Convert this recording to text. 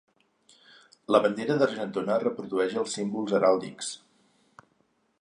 La bandera d'Argentona reprodueix els símbols heràldics.